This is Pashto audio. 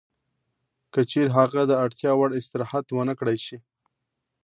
که چېرې هغه د اړتیا وړ استراحت ونه کړای شي